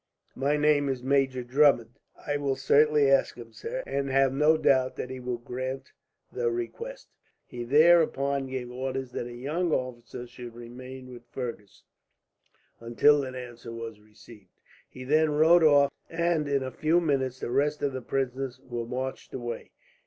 My name is Major Drummond." "I will certainly ask him, sir, and have no doubt that he will grant the request." He thereupon gave orders that a young officer should remain with Fergus, until an answer was received. He then rode off, and in a few minutes the rest of the prisoners were marched away.